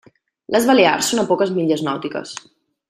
Les Balears són a poques milles nàutiques.